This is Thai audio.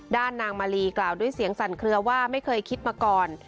นางมาลีกล่าวด้วยเสียงสั่นเคลือว่าไม่เคยคิดมาก่อน